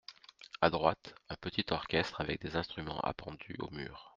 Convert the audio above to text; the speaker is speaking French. À droite, un petit orchestre avec instruments appendus au mur.